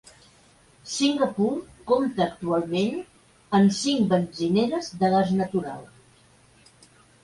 Singapur compta actualment amb cinc benzineres de gas natural.